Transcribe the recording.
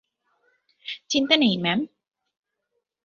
চিন্তা নেই, ম্যাম।